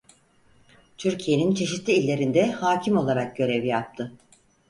Türkiye'nin çeşitli illerinde hakim olarak görev yaptı.